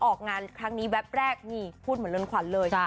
ออกงานครั้งนี้แวบแรกนี่พูดเหมือนเรือนขวัญเลย